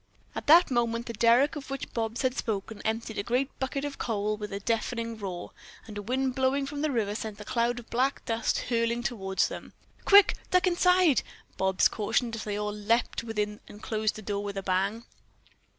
At that moment the derrick of which Bobs had spoken emptied a great bucket of coal with a deafening roar, and a wind blowing from the river sent the cloud of black dust hurling toward them. "Quick! Duck inside!" Bobs cautioned, as they all leaped within and closed the door with a bang.